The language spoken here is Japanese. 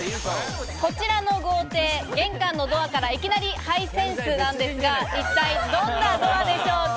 こちらの豪邸、玄関のドアからいきなりハイセンスなんですが、一体どんなドアでしょうか？